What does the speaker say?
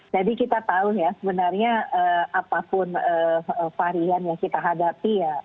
jadi kita tahu ya sebenarnya apapun varian yang kita hadapi